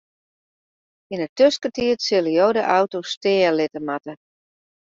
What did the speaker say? Yn 'e tuskentiid sille jo de auto stean litte moatte.